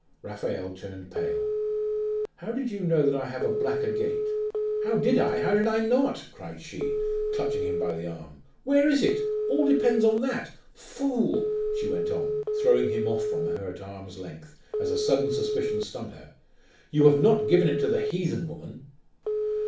Raphael turned pale. 'How did you know that I have a black agate?' 'How did I? How did I not?' cried she, clutching him by the arm. 'Where is it? All depends on that! Fool!' she went on, throwing him off from her at arm's length, as a sudden suspicion stung her 'you have not given it to the heathen woman?